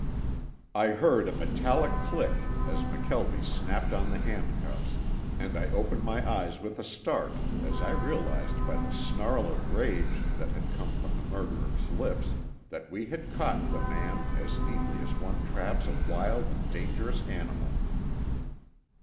I heard a metallic click as McKelvie snapped on the handcuffs, and I opened my eyes with a start as I realized by the snarl of rage that had come from the murderer's lips that we had caught the man as neatly as one traps a wild and dangerous animal.